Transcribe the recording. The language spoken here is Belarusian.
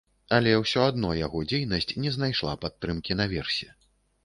Але ўсё адно яго дзейнасць не знайшла падтрымкі наверсе.